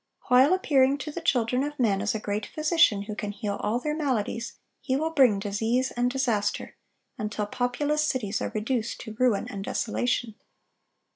While appearing to the children of men as a great physician who can heal all their maladies, he will bring disease and disaster, until populous cities are reduced to ruin and desolation.